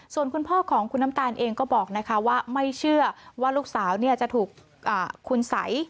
ส่วนคุณพ่อของคุณน้ำตาลเองก็บอกว่าไม่เชื่อว่าลูกสาวจะถูกคุณสัย